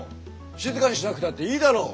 静かにしなくたっていいだろう。